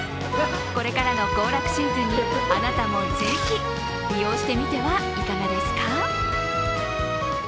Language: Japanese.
これからの行楽シーズンにあなたもぜひ、利用してみてはいかがですか？